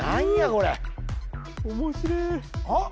これ面白えあっ！